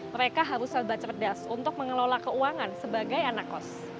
mereka harus serba cerdas untuk mengelola keuangan sebagai anak kos